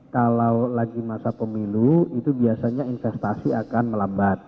kalau lagi masa pemilu itu biasanya investasi akan melambat